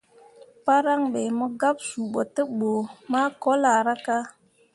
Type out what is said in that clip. Paran be, mo gab suu bo tebǝ makolahraka.